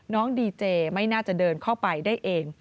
น้องดีเจไม่น่าจะเดินเข้าไปได้เอง